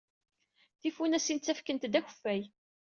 Tifunasin ttakfent-d akeffay.